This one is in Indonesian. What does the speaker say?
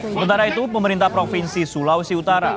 sementara itu pemerintah provinsi sulawesi utara